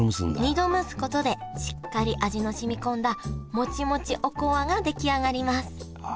２度蒸すことでしっかり味の染み込んだモチモチおこわが出来上がりますあ